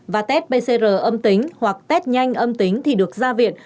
và test pcr âm tính hoặc test nhanh âm tính thì được ra viện